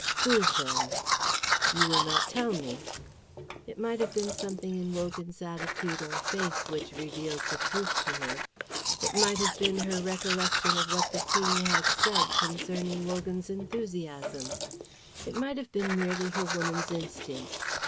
"Whose, then? You will not tell me." It might have been something in Wogan's attitude or face which revealed the truth to her; it might have been her recollection of what the King had said concerning Wogan's enthusiasm; it might have been merely her woman's instinct.